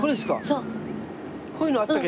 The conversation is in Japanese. そう。